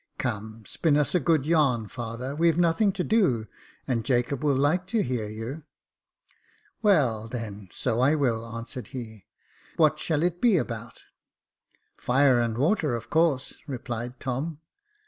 Come, spin us a good yarn, father ; we've nothing to do, and Jacob will like to hear you." "Well, then, so I will," answered he; "what shall it be about ?"" Fire and water, of course," replied Tom.